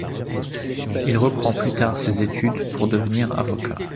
Il reprend plus tard ses études pour devenir avocat.